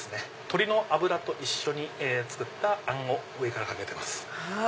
鶏の脂と一緒に作ったあんを上からかけてます。